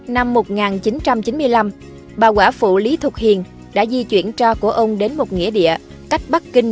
năm một nghìn chín trăm chín mươi năm bà quả phụ lý thục hiền đã di chuyển trò của ông đến một nghĩa địa cách bắc kinh một trăm hai mươi km